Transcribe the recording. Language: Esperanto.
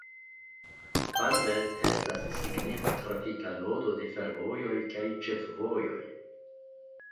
Panvel estas signifa trafika nodo de fervojoj kaj ĉefvojoj.